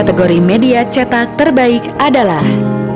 kategori media cetak terbaik adalah